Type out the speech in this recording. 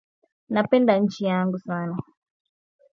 Napenda nchi yangu sana